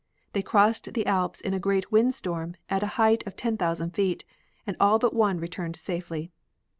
They crossed the Alps in a great wind storm at a height of ten thousand feet, and all but one returned safely.